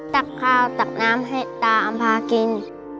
ตักข้าวตักน้ำให้ตาอำพากิน